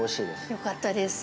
よかったです。